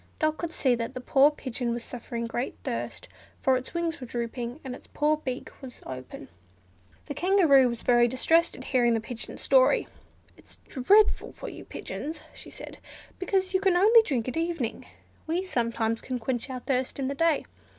Dot could see that the poor pigeon was suffering great thirst, for its wings were drooping, and its poor dry beak was open. The Kangaroo was very distressed at hearing the pigeon's story. "It is dreadful for you pigeons," she said, "because you can only drink at evening; we sometimes can quench our thirst in the day.